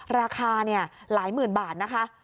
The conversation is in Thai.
ราคาหลายหมื่นบาทนะคะ